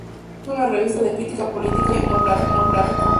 Es una revista de crítica política y humor gráfico.